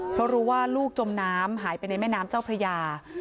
เพราะรู้ว่าลูกจมน้ำหายไปในแม่น้ำเจ้าพระยา